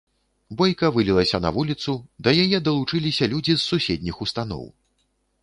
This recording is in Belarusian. Бойка вылілася на вуліцу, да яе далучыліся людзі з суседніх устаноў.